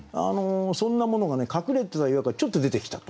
そんなものが隠れてた岩からちょっと出てきた。